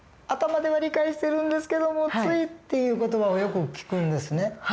頭では理解してるんですけどもついっていう言葉をよく聞くんですね。